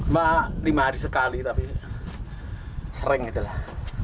mungkin lima hari sekali tapi sering aja lah